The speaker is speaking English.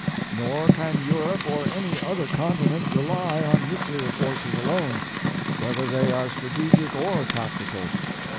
Nor can Europe or any other continent rely on nuclear forces alone, whether they are strategic or tactical.